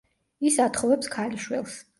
ის ათხოვებს ქალიშვილს.